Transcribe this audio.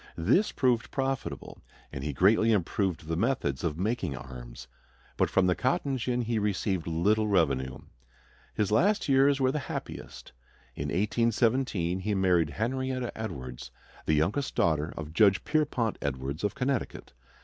This proved profitable, and he greatly improved the methods of making arms. But from the cotton gin he received little revenue. His last years were the happiest. In 1817 he married Henrietta Edwards, the youngest daughter of Judge Pierpont Edwards of Connecticut.